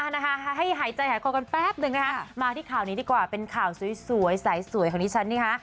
นะคะเป็นข่าวสวยสายสวยของดิฉันดีคะ